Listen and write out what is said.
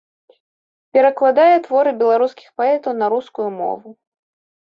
Перакладае творы беларускіх паэтаў на рускую мову.